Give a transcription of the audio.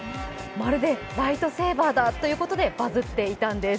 まるでライトセーバーだということでバズっていたんです。